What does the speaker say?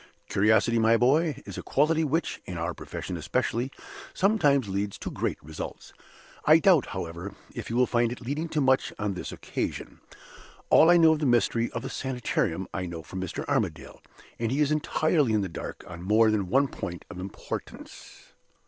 "Curiosity, my dear boy, is a quality which (in our profession especially) sometimes leads to great results. I doubt, however, if you will find it leading to much on this occasion. All I know of the mystery of the Sanitarium, I know from Mr. Armadale: and he is entirely in the dark on more than one point of importance.